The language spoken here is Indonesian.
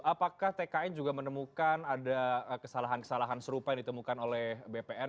apakah tkn juga menemukan ada kesalahan kesalahan serupa yang ditemukan oleh bpn